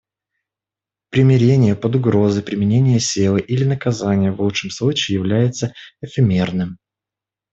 Примирение под угрозой применения силы или наказания в лучшем случае является эфемерным.